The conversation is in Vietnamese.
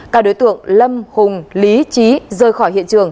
cả đối tượng lâm hùng lý trí rơi khỏi hiện trường